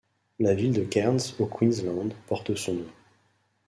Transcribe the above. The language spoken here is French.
La ville de Cairns au Queensland porte son nom.